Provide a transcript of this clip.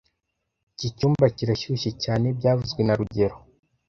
Iki cyumba kirashyushye cyane byavuzwe na rugero